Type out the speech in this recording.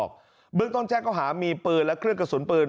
เขาเล่าบอกว่าเขากับเพื่อนเนี่ยที่เรียนปลูกแดงใช่ไหม